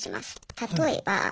例えば。